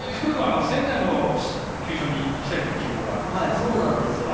仙台の球場に行きたいという希望があるそうですね。